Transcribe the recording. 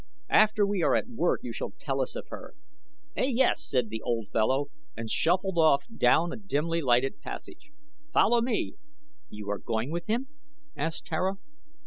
"After we are at work you shall tell us of her." "Ey, yes," said the old fellow and shuffled off down a dimly lighted passage. "Follow me!" "You are going with him?" asked Tara.